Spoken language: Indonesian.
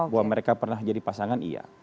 bahwa mereka pernah jadi pasangan iya